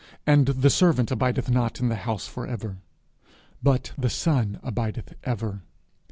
And the servant abideth not in the house for ever: but the Son abideth ever.